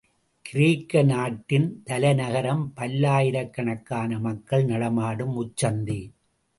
கிரேக்க நாட்டின் தலைநகரம் பல்லாயிரக் கணக்கான மக்கள் நடமாடும் முச்சந்தி.